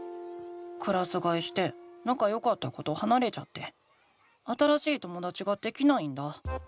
クラスがえしてなかよかった子とはなれちゃって新しいともだちができないんだ。